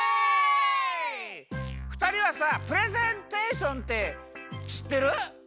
ふたりはさプレゼンテーションってしってる？